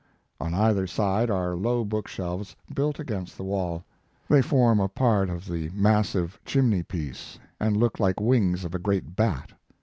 Oa either side are low book shelves built against the wall; they His Life and Work. 169 form a part of the massive chimney piece and look like wings of a great bat.